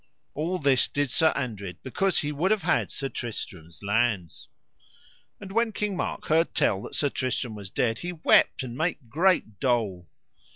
All this did Sir Andred because he would have had Sir Tristram's lands. And when King Mark heard tell that Sir Tristram was dead he wept and made great dole.